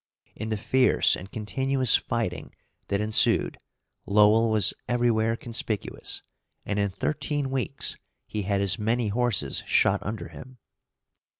In the fierce and continuous fighting that ensued Lowell was everywhere conspicuous, and in thirteen weeks he had as many horses shot under him.